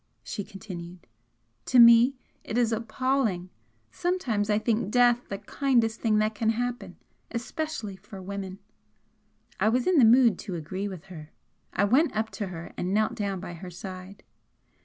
she continued. "To me it is appalling! Sometimes I think death the kindest thing that can happen especially for women." I was in the mood to agree with her. I went up to her and knelt down by her side.